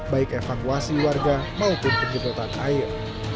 baik evakuasi warga maupun penjedotan air